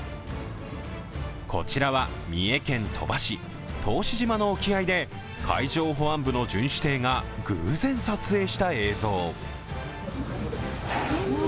こちらは三重県鳥羽市、答志島の沖合で海上保安部の巡視艇が偶然撮影した映像。